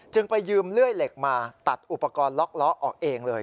ไปยืมเลื่อยเหล็กมาตัดอุปกรณ์ล็อกล้อออกเองเลย